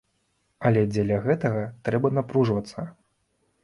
Але дзеля гэтага трэба напружвацца.